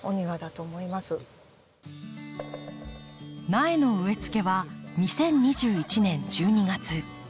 苗の植えつけは２０２１年１２月。